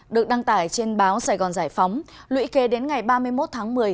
được đăng tải trên báo sài gòn giải phóng lụy kê đến ngày ba mươi một tháng một mươi